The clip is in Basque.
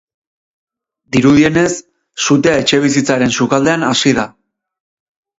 Dirudienez, sutea etxebizitzaren sukaldean hasi da.